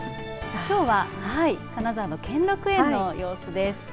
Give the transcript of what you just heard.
きょうは金沢の兼六園の様子です。